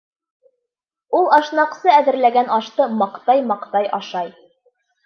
Ул ашнаҡсы әҙерләгән ашты маҡтай-маҡтай ашай.